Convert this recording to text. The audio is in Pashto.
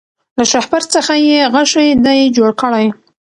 له شهپر څخه یې غشی دی جوړ کړی